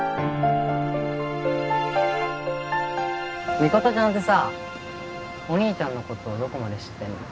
ミコトちゃんってさお兄ちゃんのことどこまで知ってんの？